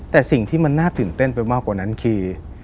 แต่สิ่งที่มันน่าตื่นเต้นไปมากกว่านั้นคือ